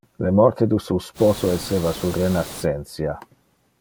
Le morte de su sposo esseva su renascentia.